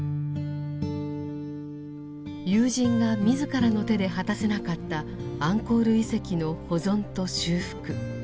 友人が自らの手で果たせなかったアンコール遺跡の保存と修復。